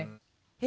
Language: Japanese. え！